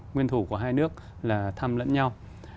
nguyên thủ của hai nước là thăm lẫn nhau